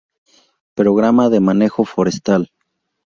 Programa de manejo forestal.